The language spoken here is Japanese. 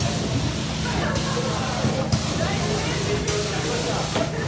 味噌汁もつくれるようになりました。